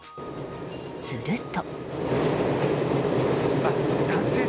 すると。